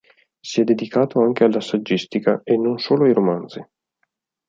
Si è dedicato anche alla saggistica, e non solo ai romanzi.